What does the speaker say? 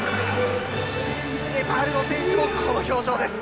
ネパールの選手もこの表情です。